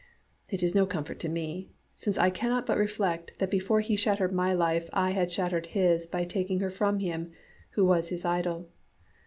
it is no comfort to me, since I cannot but reflect that before he shattered my life I had shattered his by taking her from him, who was his idol.